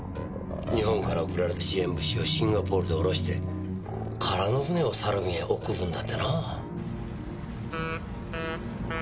日本から送られた支援物資をシンガポールで降ろして空の船をサルウィンへ送るんだってな。